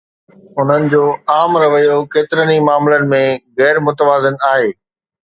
انهن جو عام رويو ڪيترن ئي معاملن ۾ غير متوازن آهي.